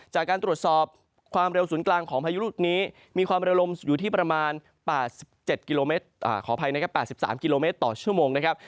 จากการตรวจสอบความเร็วศูนย์กลางของพายุลูกนี้มีความเร็วลมอยู่ที่ประมาณ๘๓กิโลเมตรต่อชั่วโมงนะครับ